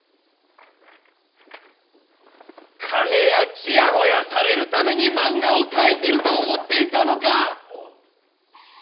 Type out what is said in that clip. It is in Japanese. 金やちやほやされるためにマンガを描いてると思っていたのかァーッ！！